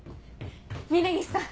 峰岸さん